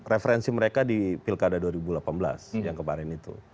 referensi mereka di pilkada dua ribu delapan belas yang kemarin itu